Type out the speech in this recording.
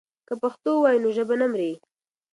که پښتو ووایو نو ژبه نه مري.